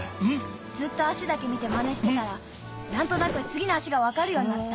ずっと足だけ見てマネしてたら何となく次の足が分かるようになった。